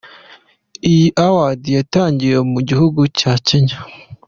Iyi Award yatangiwe mu gihugu cya Kenya.